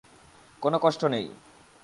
কোন কষ্ট নেই!